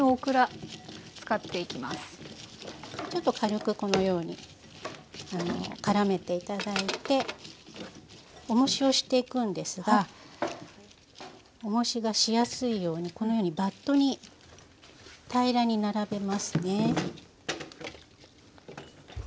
ちょっと軽くこのようにからめて頂いておもしをしていくんですがおもしがしやすいようにこのようにバットに平らに並べますね。